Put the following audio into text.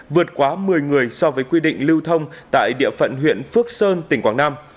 vượt quá một mươi người so với quy định lưu thông tại địa phận huyện phước sơn tỉnh quảng nam